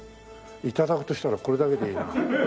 頂くとしたらこれだけでいいな。